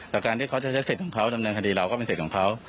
แต่การที่เขาจะใช้สิทธิ์ของเขาดำเนินคดีเราก็เป็นสิทธิ์ของเขา